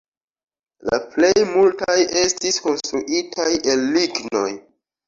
La plej multaj estis konstruitaj el lignoj.